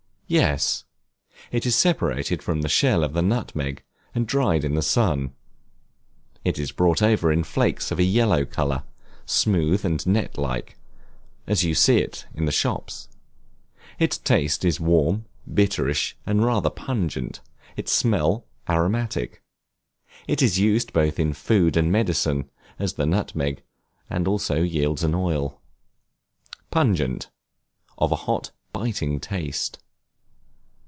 Yes, it is separated from the shell of the nutmeg, and dried in the sun. It is brought over in flakes of a yellow color, smooth and net like, as you see it in the shops. Its taste is warm, bitterish, and rather pungent; its smell, aromatic. It is used both in food and medicine, as the nutmeg, and also yields an oil. Pungent, of a hot, biting taste.